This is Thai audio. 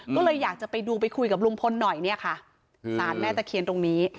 ก็เลยอยากจะไปดูไปคุยกับลุงพลหน่อยเนี่ยค่ะสารแม่ตะเคียนตรงนี้